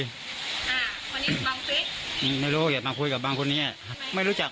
อ่าคนนี้บังฟิศไม่รู้อย่ามาคุยกับบางคนนี้ไม่รู้จัก